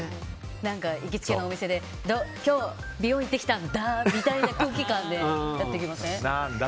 行きつけのお店で今日美容院行ってきたんだみたいな空気感でやってきません？